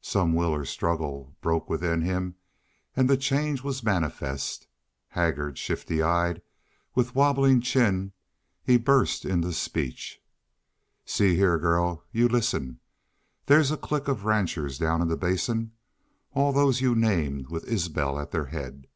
Some will or struggle broke within him and the change was manifest. Haggard, shifty eyed, with wabbling chin, he burst into speech. "See heah, girl. You listen. There's a clique of ranchers down in the Basin, all those you named, with Isbel at their haid.